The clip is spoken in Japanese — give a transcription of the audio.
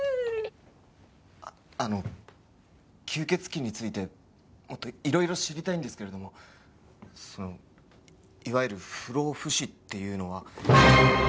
あの吸血鬼についてもっといろいろ知りたいんですけれどもそのいわゆる不老不死っていうのは。